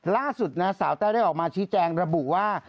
ล่าสุดนะสาวแต้วได้ออกมาชี้แจงระบุว่า